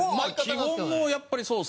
基本やっぱりそうですね